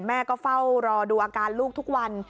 แม่ก็เฝ้ารอดูอาการลูกทุกวัน